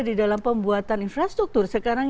di dalam pembuatan infrastruktur sekarang